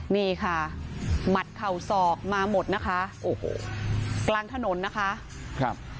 นี่ค่ะหมัดเข่าศอกมาหมดนะคะโอ้โหกลางถนนนะคะครับ